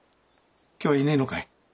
今日はいねえのかい？